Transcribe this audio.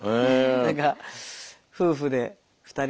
何か夫婦で２人で。